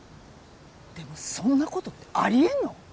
でもそんなことってありえんの？